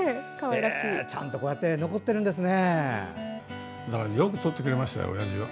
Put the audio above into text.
ちゃんと残っているんですね。